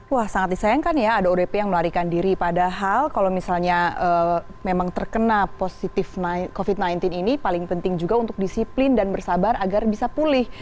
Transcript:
wah sangat disayangkan ya ada odp yang melarikan diri padahal kalau misalnya memang terkena positif covid sembilan belas ini paling penting juga untuk disiplin dan bersabar agar bisa pulih